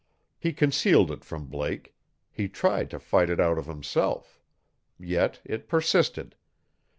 He concealed it from Blake. He tried to fight it out of himself. Yet it persisted.